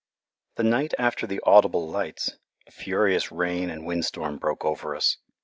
The night after the audible lights a furious rain and wind storm broke over us.